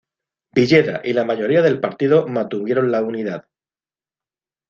Villeda y la mayoría del partido mantuvieron la unidad.